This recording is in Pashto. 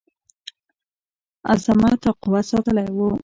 عظمت او قوت ساتلی وو.